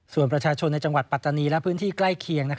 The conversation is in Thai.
ส่วนประชาชนในจังหวัดปัตตานีและพื้นที่ใกล้เคียง